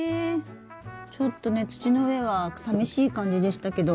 ちょっとね土の上はさみしい感じでしたけど。